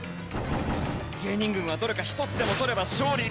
芸人軍はどれか一つでも取れば勝利。